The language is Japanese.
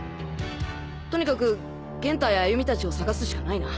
とにかく元太や歩美達を捜すしかないな。